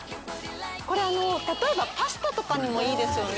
これ例えばパスタとかにもいいですよね。